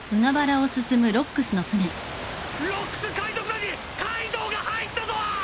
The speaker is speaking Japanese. ロックス海賊団にカイドウが入ったぞ！